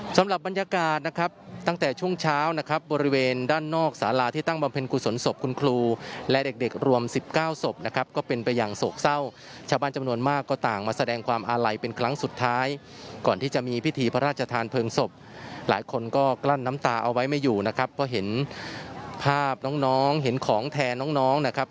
สำหรับบรรยากาศนะครับตั้งแต่ช่วงเช้านะครับบริเวณด้านนอกสาราที่ตั้งบำเพ็ญกุศลศพคุณครูและเด็กเด็กรวมสิบเก้าศพนะครับก็เป็นไปอย่างโศกเศร้าชาวบ้านจำนวนมากก็ต่างมาแสดงความอาลัยเป็นครั้งสุดท้ายก่อนที่จะมีพิธีพระราชทานเพลิงศพหลายคนก็กลั้นน้ำตาเอาไว้ไม่อยู่นะครับเพราะเห็นภาพน้องน้องเห็นของแทนน้องน้องนะครับ